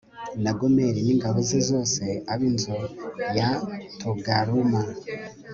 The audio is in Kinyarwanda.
na gomeri n ingabo ze zose ab inzu ya togaruma